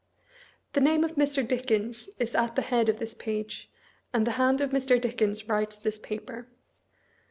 The name of lilr. Dickens is at the head of this page, and the hand of Mr. Dickens writes this paper.